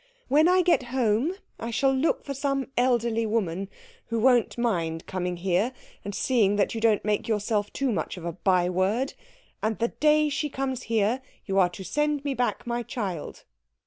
When I get home I shall look for some elderly woman who won't mind coming here and seeing that you don't make yourself too much of a by word, and the day she comes you are to send me back my child."